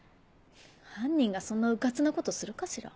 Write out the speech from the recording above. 犯人がそんなうかつなことするかしら？